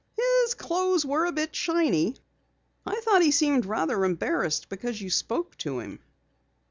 "His clothes were a bit shiny. I thought he seemed rather embarrassed because you spoke to him."